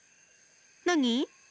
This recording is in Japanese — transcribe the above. なに？